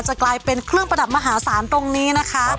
กลายเป็นเครื่องประดับมหาศาลตรงนี้นะคะ